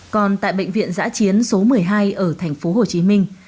còn tại bệnh viện giã chiến số một mươi hai ở thành phố hồ chí minh